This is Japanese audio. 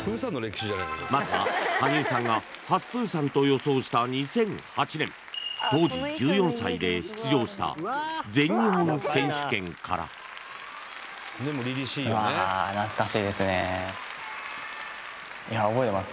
まずは羽生さんが初プーさんと予想した２００８年で出場した全日本選手権からいや覚えてます